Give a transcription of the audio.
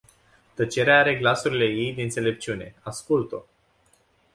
Tăcerea are glasurile ei de înțelepciune: ascult-o!